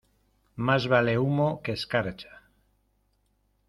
Más vale humo que escarcha.